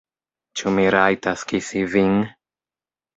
Ĉu mi rajtas kisi vin?